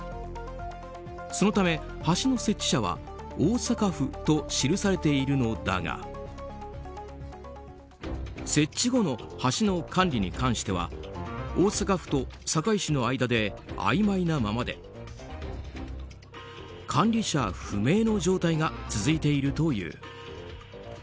そのため橋の設置者は大阪府と記されているのだが設置後の橋の管理に関しては大阪府と堺市の間であいまいなままで管理者不明の状態が続いているという。